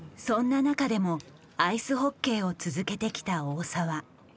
そんな中でもアイスホッケーを続けてきた大澤。